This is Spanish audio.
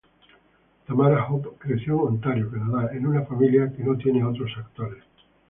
Tamara Hope creció en Ontario, Canadá, en una familia que no tiene otros actores.